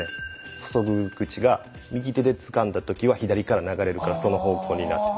注ぐ口が右手でつかんだ時は左から流れるからその方向になってる。